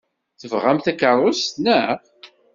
Tebɣamt takeṛṛust, naɣ?